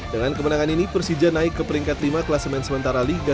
dengan kemenangan ini persija naik ke peringkat lima kelas main sementara liga dua